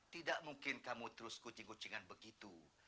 tidak mungkin kamu terus kucing kucingan begitu